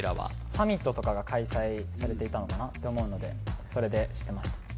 サミットとかが開催されていたのかなって思うのでそれで知ってました